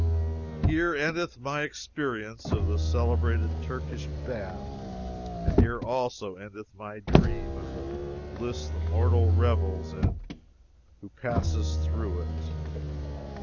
Here endeth my experience of the celebrated Turkish bath, and here also endeth my dream of the bliss the mortal revels in who passes through it.